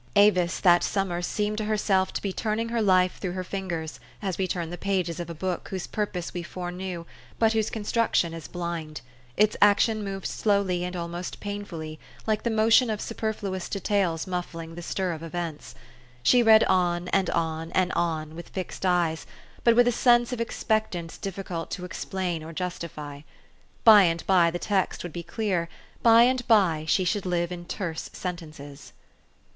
138 THE STORY OF AVIS. Avis, that summer, seemed to herself to be turn ing her life through her fingers, as we turn the pages of a book whose purpose we foreknew, but whose construction is blind : its action moved slowly and almost painfulty, like the motion of superfluous de tails muffling the stir of events. She read on and on and on, with fixed eyes, but with a sense of ex pectance difficult to explain or justify : by and by the text would be clear ; by and by she should live in terse sentences.